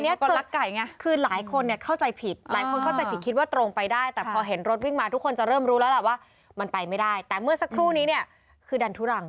คนรักไก่ไงคือหลายคนเนี่ยเข้าใจผิดหลายคนเข้าใจผิดคิดว่าตรงไปได้แต่พอเห็นรถวิ่งมาทุกคนจะเริ่มรู้แล้วล่ะว่ามันไปไม่ได้แต่เมื่อสักครู่นี้เนี่ยคือดันทุรัง